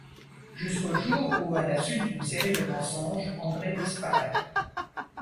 Jusqu'au jour où, à la suite d'une série de mensonges, André disparaît...